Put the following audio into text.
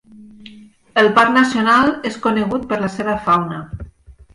El parc nacional és conegut per la seva fauna.